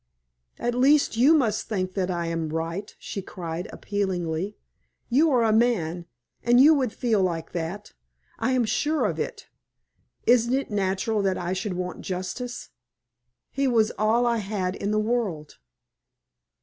"At least, you must think that I am right," she cried, appealingly. "You are a man, and you would feel like that. I am sure of it. Isn't it natural that I should want justice? He was all I had in the world."